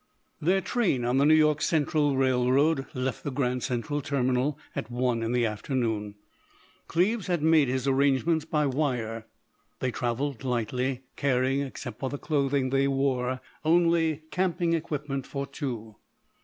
Their train on the New York Central Railroad left the Grand Central Terminal at one in the afternoon. Cleves had made his arrangements by wire. They travelled lightly, carrying, except for the clothing they wore, only camping equipment for two.